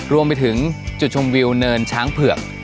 รวมไปถึงจุดชมวิวเนินช้างเผือก